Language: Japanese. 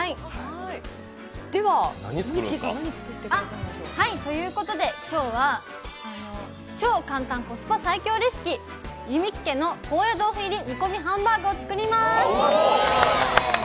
では何作ってくださるんですか？ということで、今日は超簡単コスパ最強レシピ、弓木家の高野豆腐入り煮込みハンバーグを作ります。